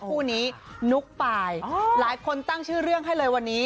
คู่นี้นุ๊กปายหลายคนตั้งชื่อเรื่องให้เลยวันนี้